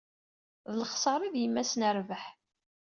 D lexṣara ay d yemma-s n rrbeḥ.